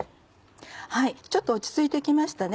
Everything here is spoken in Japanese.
ちょっと落ち着いてきましたね